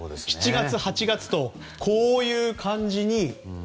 ７月、８月とこういう感じに。